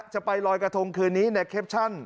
จะไปลอยกระทงคืนนี้ในแคปชั่น